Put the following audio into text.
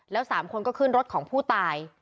แล้ว๓คนก็ขึ้นรถของผู้ตาย